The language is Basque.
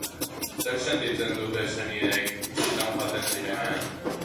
Zer sentitzen dute senideek bisitan joaten direnean?